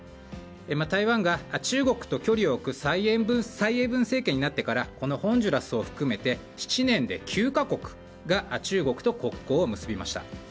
台湾が中国と距離を置く蔡英文政権になってからこのホンジュラスを含めて７年で９か国が中国と国交を結びました。